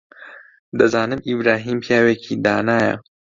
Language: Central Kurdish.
دەزانم ئیبراهیم پیاوێکی دانایە.